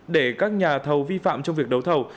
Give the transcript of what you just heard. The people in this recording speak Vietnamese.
để các nhà thầu vi phạm trong việc đấu thầu